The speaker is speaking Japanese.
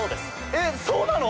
えっそうなの！